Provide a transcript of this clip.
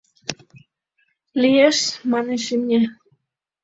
— Лиеш, — манеш имне.